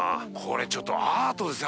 海ちょっとアートですよ